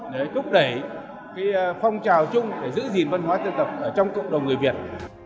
để thúc đẩy phong trào chung để giữ gìn văn hóa dân tộc trong cộng đồng người việt